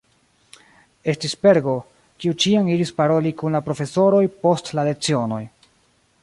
Estis Pergo, kiu ĉiam iris paroli kun la profesoroj post la lecionoj.